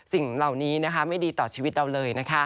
สิ่งเหล่านี้ไม่ดีต่อชีวิตเราเลยนะคะ